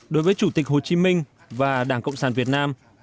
đối với chủ tịch hồ chí minh và đảng cộng sản việt nam